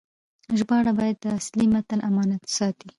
ژباړه باید د اصلي متن امانت وساتي.